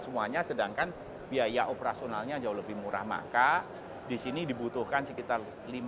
semuanya sedangkan biaya operasionalnya jauh lebih murah maka disini dibutuhkan sekitar lima ratus enam ratus